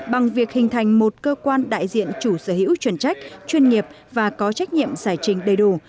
bằng việc hình thành một cơ quan đại diện chủ sở hữu chuyển trách chuyên nghiệp và có trách nhiệm giải trình đầy đủ